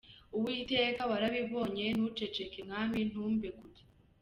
Uwiteka, warabibonye ntuceceke, Mwami ntumbe kure.